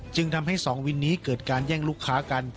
จึงทำให้สองวินนี้เกิดการแย่งลูกค้ากัน